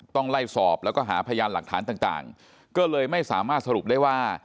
ต้องไล่สอบแล้วก็หาพยานหลักฐานต่างก็เลยไม่สามารถสรุปได้ว่า